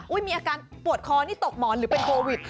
มีอาการปวดคอนี่ตกหมอนหรือเป็นโควิด